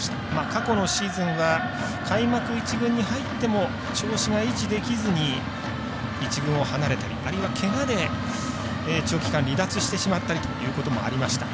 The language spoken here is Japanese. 過去のシーズンは開幕１軍に入っても、調子が維持できずに１軍を離れたりあるいは、けがで長期間離脱してしまったりということもありました。